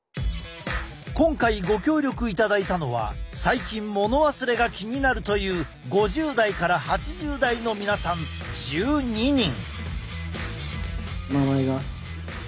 今回ご協力いただいたのは最近物忘れが気になるという５０代から８０代の皆さん１２人。